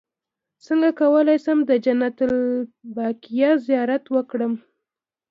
څنګه کولی شم د جنت البقیع زیارت وکړم